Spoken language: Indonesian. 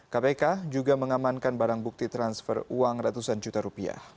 kpk juga mengamankan barang bukti transfer uang ratusan juta rupiah